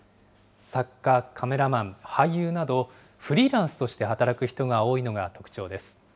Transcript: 作家、カメラマン、俳優など、フリーランスとして働く人が多いのが特徴です。